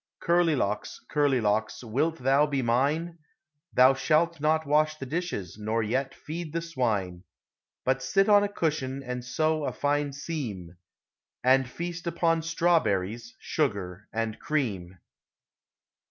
"_Curly Locks! Curly Locks! wilt thou be mine? Thou shalt not wash the dishes, nor yet feed the swine; But sit on a cushion and sew a fine seam, And feast upon strawberries, sugar and cream.